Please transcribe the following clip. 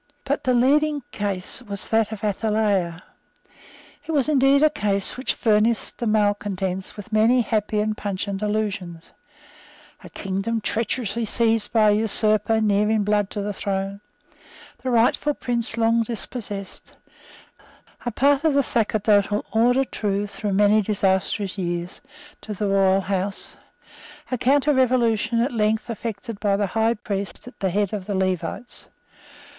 But the leading case was that of Athaliah. It was indeed a case which furnished the malecontents with many happy and pungent allusions; a kingdom treacherously seized by an usurper near in blood to the throne; the rightful prince long dispossessed; a part of the sacerdotal order true, through many disastrous years, to the Royal House; a counterrevolution at length effected by the High Priest at the head of the Levites.